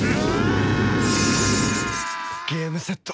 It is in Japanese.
ゲームセット。